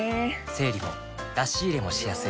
整理も出し入れもしやすい